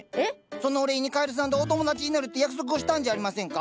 そのお礼にカエルさんとお友達になるって約束をしたんじゃありませんか？